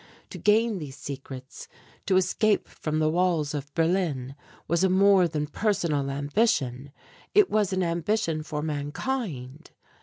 To gain these secrets, to escape from the walls of Berlin, was a more than personal ambition; it was an ambition for mankind.